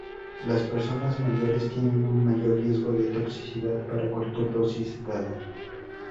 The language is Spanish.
Las personas mayores tienen un mayor riesgo de toxicidad para cualquier dosis dada.